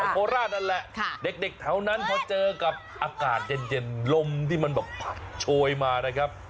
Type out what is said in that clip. โคราชนั่นแหละเด็กแถวนั้นพอเจอกับอากาศเย็นลมที่มันแบบโชยมานะครับ